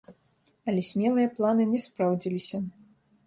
Але смелыя планы не спраўдзіліся.